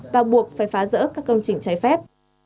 và buộc phải phá rỡ các công trình trái phép